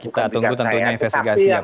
kita tunggu tentunya investigasi ya pak ya